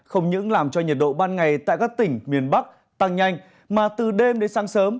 không những làm cho nhiệt độ ban ngày tại các tỉnh miền bắc tăng nhanh mà từ đêm đến sáng sớm